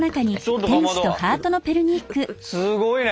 すごいね。